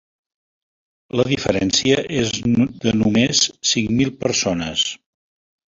La diferència és de només cinc mil persones.